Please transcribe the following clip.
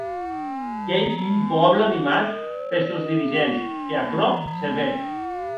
Qu'ei un pòble mimat pes sòns dirigents, e aquerò se ve.